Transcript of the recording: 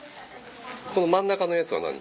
この真ん中のやつは何？